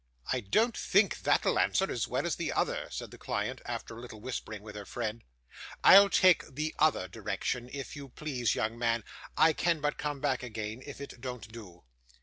'I don't think that'll answer as well as the other,' said the client, after a little whispering with her friend. 'I'll take the other direction, if you please, young man. I can but come back again, if it don't do.